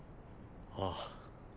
ああ。